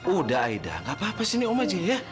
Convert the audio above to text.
udah aida gapapa sini om aja ya